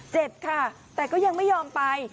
เจ็บค่ะแต่ก็ยังไม่ยอมไป